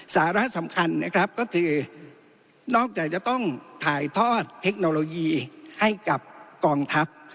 สาระสำคัญนะครับก็คือนอกจากจะต้องถ่ายทอดเทคโนโลยีให้กับกองทัพ